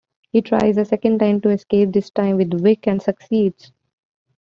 He tries a second time to escape, this time with Vic, and succeeds.